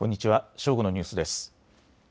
正午のニュースです。